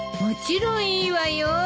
もちろんいいわよ。